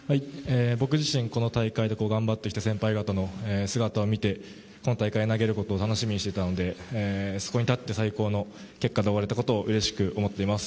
僕自身この大会で頑張ってきた先輩方の姿を見てこの大会で投げることを楽しみにしていたのでそこに立って最高の結果で終われたことをうれしく思っています。